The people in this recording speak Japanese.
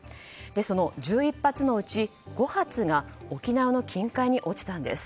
その１１発のうち５発が沖縄の近海に落ちたんです。